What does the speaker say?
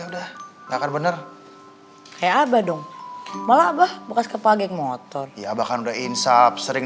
udah nggak bener kayak apa dong malah bahwa kepalanya motor ya bahkan udah insap sering